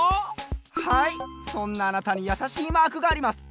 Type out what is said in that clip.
はいそんなあなたにやさしいマークがあります。